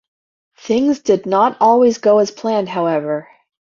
Things did not always go as planned, however.